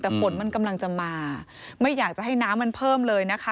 แต่ฝนมันกำลังจะมาไม่อยากจะให้น้ำมันเพิ่มเลยนะคะ